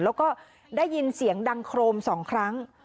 แล้วก็ได้ยินเสียงดังโครม๒ครั้ง